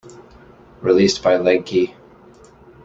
Released by Legkie.